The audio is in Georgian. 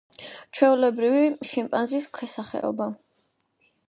ჩვეულებრივი შიმპანზის ქვესახეობა.